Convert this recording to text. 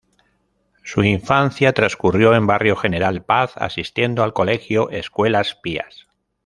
Su infancia transcurrió en barrio General Paz asistiendo al colegio Escuelas Pias.